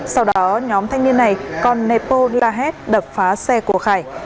sau đó nhóm thanh niên này còn nẹp bô la hét đập phá xe của khải